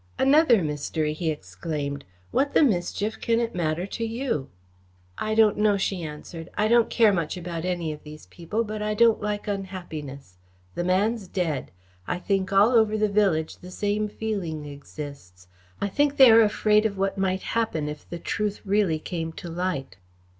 "Another mystery!" he exclaimed. "What the mischief can it matter to you?" "I don't know," she answered. "I don't care much about any of these people, but I don't like unhappiness. The man's dead. I think all over the village the same feeling exists. I think they are afraid of what might happen if the truth really came to light."